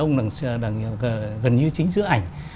gần như chính giữa ảnh